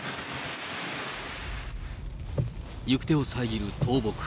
行く手を遮る倒木。